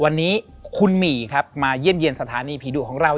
วันนี้คุณหมี่ครับมาเยี่ยมเยี่ยมสถานีผีดุของเรา